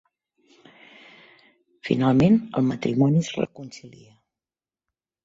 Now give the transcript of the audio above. Finalment el matrimoni es reconcilia.